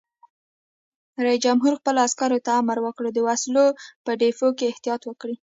رئیس جمهور خپلو عسکرو ته امر وکړ؛ د وسلو په ډیپو کې احتیاط وکړئ!